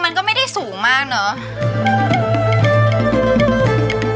มันสูงมากเนอะ